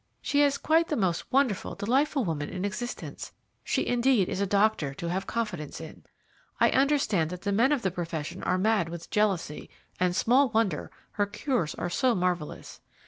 She is quite the most wonderful, delightful woman in existence. She, indeed, is a doctor to have confidence in. I understand that the men of the profession are mad with jealousy, and small wonder, her cures are so marvellous.